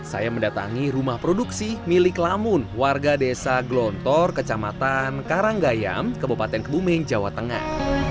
saya mendatangi rumah produksi milik lamun warga desa glontor kecamatan karanggayam kabupaten kebumen jawa tengah